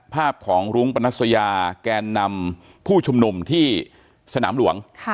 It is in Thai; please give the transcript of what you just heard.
ภาพของรุ้งปนัสยาแกนนำผู้ชุมนุมที่สนามหลวง